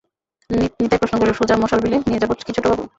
নিতাই প্রশ্ন করিল, সোজা মশালবিলে নিয়ে যাব কি ছোটবাবু?